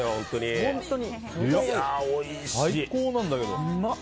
最高なんだけど。